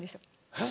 えっ？